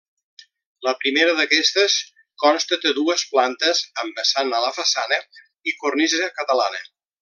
La primera d’aquestes, consta de dues plantes, amb vessant a la façana i cornisa catalana.